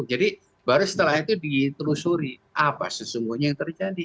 jadi baru setelah itu ditelusuri apa sesungguhnya yang terjadi